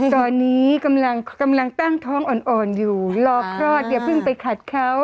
ตอนนี้กำลังตั้งท้องอ่อนอยู่รอคลอดอย่าเพิ่งไปขัดเขา